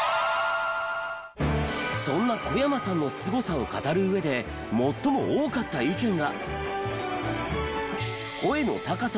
そんな小山さんのスゴさを語る上で最も多かった意見が。